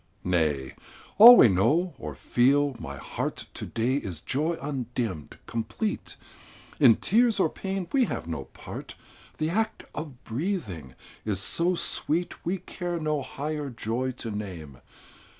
Nay! all we know, or feel, my heart, To day is joy undimmed, complete; In tears or pain we have no part; The act of breathing is so sweet, We care no higher joy to name.